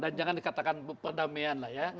dan jangan dikatakan perdamaian lah ya